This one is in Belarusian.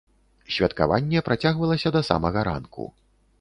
Святкаванне працягвалася да самага ранку.